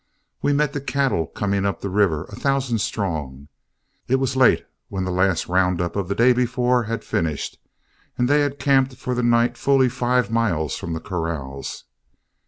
We met the cattle coming up the river a thousand strong. It was late when the last round up of the day before had finished, and they had camped for the night fully five miles from the corrals.